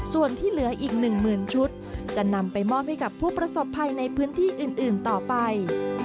ส่วนที่เหลืออีก๑๐๐๐ชุดจะนำไปมอบให้กับผู้ประสบภัยในพื้นที่อื่นต่อไป